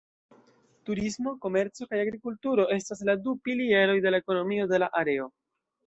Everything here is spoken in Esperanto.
Turismo, komerco kaj agrikulturo estas la du pilieroj de la ekonomio de la areo.